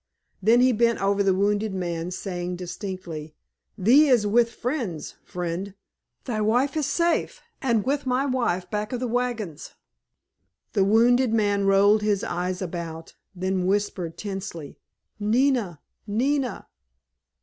Then he bent over the wounded man, saying distinctly, "Thee is with friends, friend. Thy wife is safe, and with my wife back of the wagons." The wounded man rolled his eyes about, then whispered tensely, "Nina! Nina!"